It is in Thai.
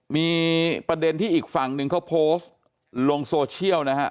มีประเด็นที่อีกฝั่งหนึ่งเขาโพสต์ลงโซเชียลนะฮะ